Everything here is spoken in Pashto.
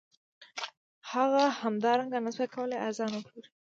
هغه همدارنګه نشوای کولی ارزان وپلوري